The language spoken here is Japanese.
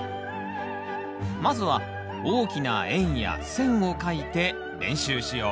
まずは大きな円や線をかいて練習しよう。